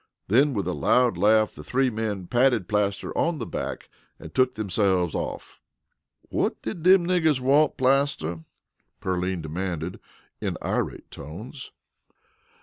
Then with a loud laugh the three men patted Plaster on the back and took themselves off. "Whut did them niggers want, Plaster?" Pearline demanded in irate tones.